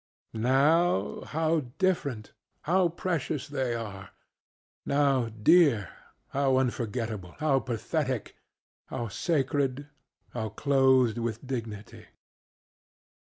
Now, how different! how precious they are, how dear, how unforgettable, how pathetic, how sacred, how clothed with dignity!